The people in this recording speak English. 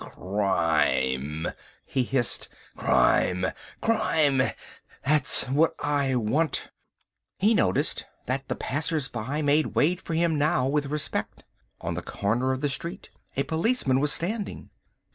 "Crime," he hissed. "Crime, crime, that's what I want." He noticed that the passers by made way for him now with respect. On the corner of the street a policeman was standing.